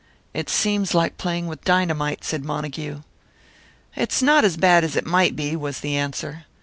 "It seems like playing with dynamite," said Montague. "It's not as bad as it might be," was the answer.